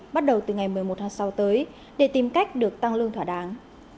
bắt đầu từ ngày một mươi một tháng sáu tới để tìm cách được tăng lương thỏa đáng